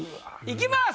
いきます。